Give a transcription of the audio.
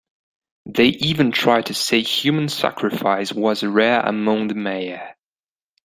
They even tried to say human sacrifice was rare among the Maya.